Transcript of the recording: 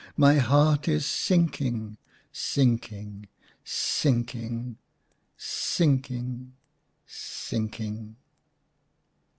My heart is sinking, sinking, sinking, sinking, sinking."